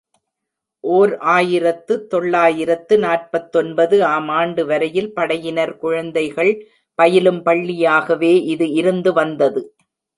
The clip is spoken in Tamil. ஓர் ஆயிரத்து தொள்ளாயிரத்து நாற்பத்தொன்பது ஆம் ஆண்டு வரையில், படையினர் குழந்தைகள் பயிலும் பள்ளியாகவே இது இருந்துவந்தது.